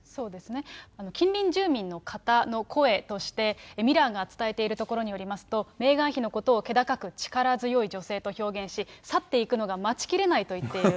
近隣住民の方の声として、ミラーが伝えているところによりますと、メーガン妃のことを気高く力強い女性と表現し、去っていくのが待ち切れないと言っている。